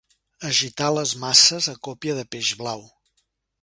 Agitar les masses a còpia de peix blau.